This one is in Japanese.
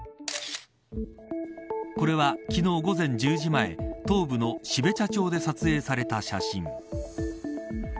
これは昨日、午前１０時前東部の標茶町で撮影された写真。